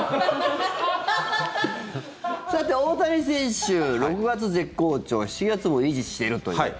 さて大谷選手、６月絶好調７月も維持しているという。